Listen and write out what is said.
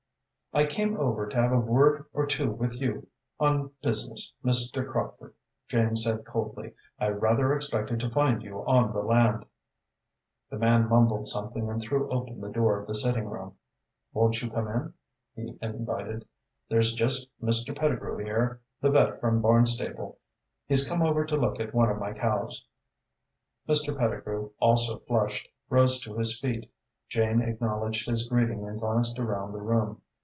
"I came over to have a word or two with you on business, Mr. Crockford," Jane said coldly. "I rather expected to find you on the land." The man mumbled something and threw open the door of the sitting room. "Won't you come in?" he invited. "There's just Mr. Pettigrew here the vet from Barnstaple. He's come over to look at one of my cows." Mr. Pettigrew, also flushed, rose to his feet. Jane acknowledged his greeting and glanced around the room.